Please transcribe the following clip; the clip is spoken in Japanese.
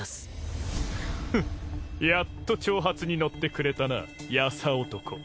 フンやっと挑発に乗ってくれたな優男。